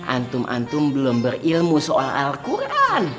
antum antum belum berilmu soal al quran